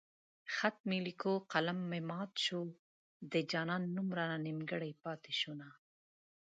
خط مې ليکو قلم مې مات شو د جانان نوم رانه نيمګړی پاتې شونه